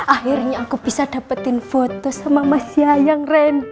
akhirnya aku bisa dapetin foto sama mas yayang rem